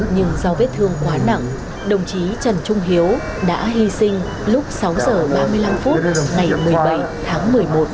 nhưng do vết thương quá nặng đồng chí trần trung hiếu đã hy sinh lúc sáu giờ ba mươi năm phút ngày một mươi bảy tháng một mươi một